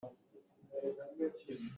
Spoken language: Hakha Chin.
Miphun zakip nih Pathian an biak lai.